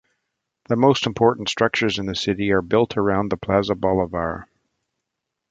The most important structures in the city are built around the Plaza Bolivar.